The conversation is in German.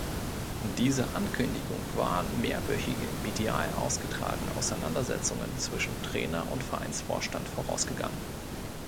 Dieser Ankündigung waren mehrwöchige medial ausgetragene Auseinandersetzungen zwischen Trainer und Vereinsvorstand vorausgegangen.